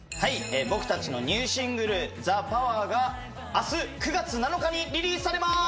僕たちのニューシングル「ＴＨＥＰＯＷＥＲ」が明日９月７日にリリースされます！